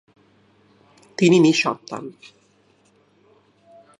তিনি নিঃসন্তান।